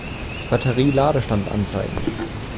Batterie-Ladestand anzeigen.